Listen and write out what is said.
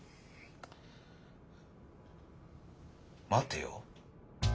待てよ。